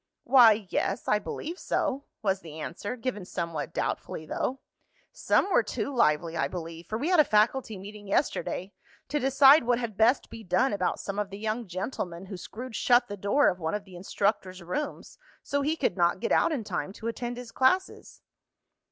"Why, yes, I believe so," was the answer, given somewhat doubtfully though. "Some were too lively, I believe, for we had a faculty meeting yesterday to decide what had best be done about some of the young gentlemen who screwed shut the door of one of the instructor's rooms so he could not get out in time to attend his classes."